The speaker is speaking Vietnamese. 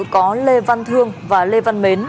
có lê văn thương và lê văn mến